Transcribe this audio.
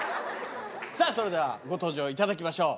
さぁそれではご登場いただきましょう。